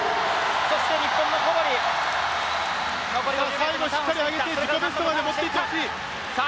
最後、しっかり上げて、自己ベストまで持っていってほしい！